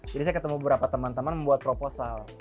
jadi saya ketemu beberapa teman teman membuat proposal